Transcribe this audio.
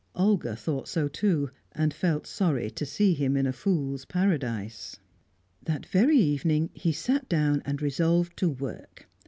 Olga thought so too, and felt sorry to see him in a fool's paradise. That very evening he sat down and resolved to work.